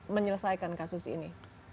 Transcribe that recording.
menyelesaikan kasus ini